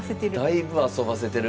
だいぶ遊ばせてる。